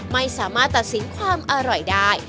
ไม่สามารถตัดสินความอร่อยได้